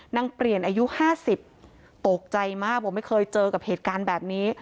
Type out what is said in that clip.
นางเปลี่ยนอายุ๕๐ตกใจมากบอกไม่เคยเจอกับเหตุการณ์แบบนี้